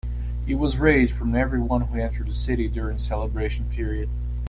It was raised from everyone who entered the city during the celebration period.